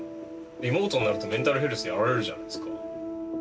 リモートになるとメンタルヘルスやられるじゃないですか。